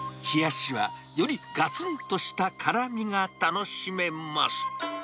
冷やしはよりがつんとした辛みが楽しめます。